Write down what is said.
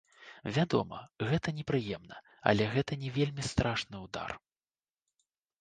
Вядома, гэта непрыемна, але гэта не вельмі страшны ўдар.